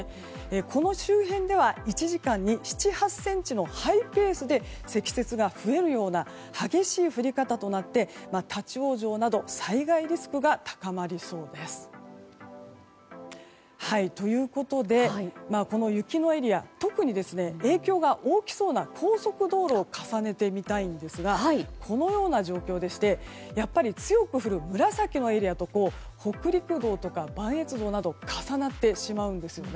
この周辺では１時間に７８ｃｍのハイペースで積雪が増えるような激しい降り方となって立ち往生など災害リスクが高まりそうです。ということで、この雪のエリア特に影響が大きそうな高速道路を重ねて見たいんですがこのような状況でして強く降る紫のエリアと北陸道とか磐越道は重なってしまうんですね。